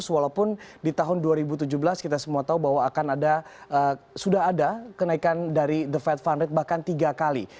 walaupun di tahun dua ribu tujuh belas kita semua tahu bahwa akan ada sudah ada kenaikan dari the fed fund rate bahkan tiga kali